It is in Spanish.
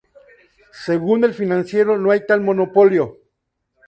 Según El Financiero, no hay tal monopolio.